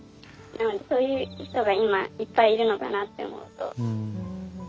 そういう人が今いっぱいいるのかなって思うと。